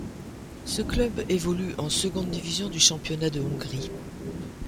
Ce club évolue en seconde division du championnat de Hongrie.